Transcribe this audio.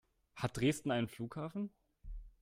Hat Dresden einen Flughafen?